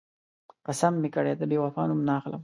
قسم مې کړی، د بېوفا نوم نه اخلم.